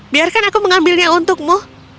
biarkan aku mengambilnya untukmu